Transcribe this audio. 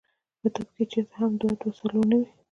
پۀ طب کښې چرته هم دوه او دوه څلور نۀ وي -